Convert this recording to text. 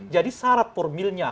jadi syarat formilnya